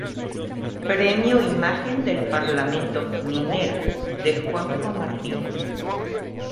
Premio Imagen del Parlamento: "Minera" de Juanjo Martín.